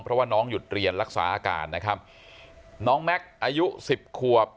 เพราะว่าน้องหยุดเรียนรักษาอาการนะครับน้องแม็กซ์อายุสิบขวบ